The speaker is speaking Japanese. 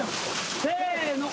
せの。